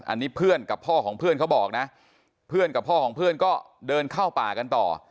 อันนี้เพื่อนกับพ่อของเพื่อนเขาบอกนะเพื่อนกับพ่อของเพื่อนก็เดินเข้าป่ากันต่อ